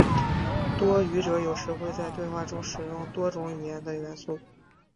多语者有时会在对话中使用多种语言的元素。